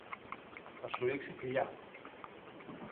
Θα σου ρίξει θηλιά.